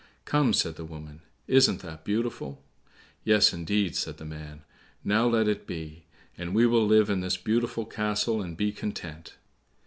"Come," said the woman, "isn't that beautiful?" "Yes, indeed," said the man, "now let it be; and we will live in this beautiful castle and be content."